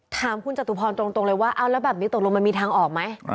ถามคุณจตุพรตรงเลยว่าเอาแล้วแบบนี้ตกลงมันมีทางออกไหม